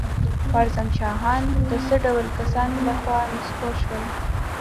خوارزم شاهان د څه ډول کسانو له خوا نسکور شول؟